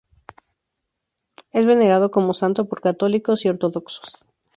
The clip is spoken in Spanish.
Es venerado como santo por católicos y ortodoxos.